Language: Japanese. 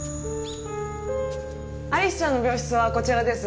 アリスちゃんの病室はこちらです。